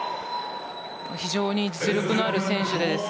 非常に実力のある選手です。